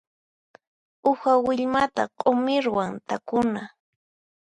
Uha willmata q'umirwan takuna.